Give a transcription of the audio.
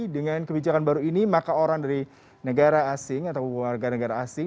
dengan kebijakan baru ini maka orang dari negara asing atau warga negara asing